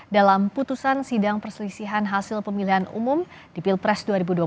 dalam putusan sidang perselisihan hasil pemilihan umum di pilpres dua ribu dua puluh